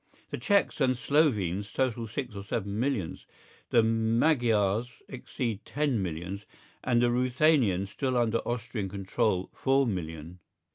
The Czechs and Slovenes total six or seven millions, the Magyars exceed ten millions, and the Ruthenians still under Austrian control four millions.